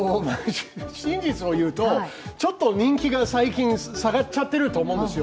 真実を言うと、ちょっと人気が最近下がっちゃってると思うんですよ。